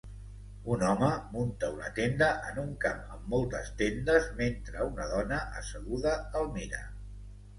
Un home munta una tenda en una camp amb moltes tendes mentre una dona asseguda el mira.